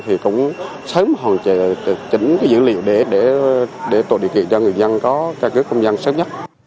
thì cũng sớm hoàn chỉnh những liệu để tổ địa kiện cho người dân có căn cước công dân sớm nhất